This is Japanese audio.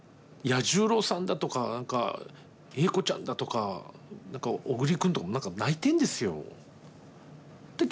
彌十郎さんだとか栄子ちゃんだとか何か小栗君とか泣いてんですよ。